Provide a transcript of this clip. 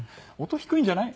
「音低いんじゃない？」